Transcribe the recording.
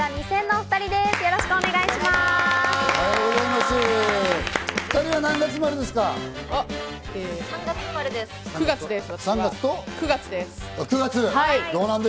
２人は何月生まれですか？